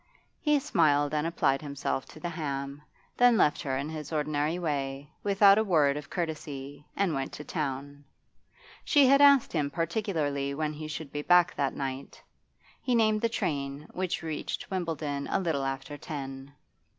He smiled and applied himself to the ham, then left her in his ordinary way, without a word of courtesy, and went to town. She had asked him particularly when he should be back that night He named the train, which reached Wimbledon a little after ten.